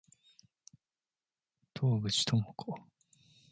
洞口朋子